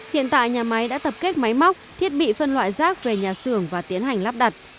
hiện tại nhà máy đã tập kết máy móc thiết bị phân loại rác về nhà xưởng và tiến hành lắp đặt